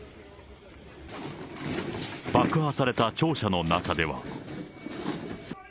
爆破された庁舎の中では。